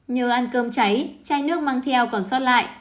nhờ ăn cơm cháy chai nước mang theo còn sót lại